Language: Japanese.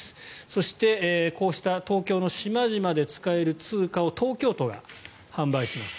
そして、こうした東京の島々で使える通貨を東京都が販売します。